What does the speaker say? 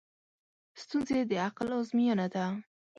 ستونزې د عقل ازموینه ده.